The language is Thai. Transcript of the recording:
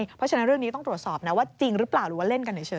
เพราะฉะนั้นเรื่องนี้ต้องตรวจสอบนะว่าจริงหรือเปล่าหรือว่าเล่นกันเฉย